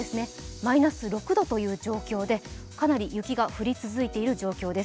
マイナス６度という状況でかなり雪が降り続いている状況です。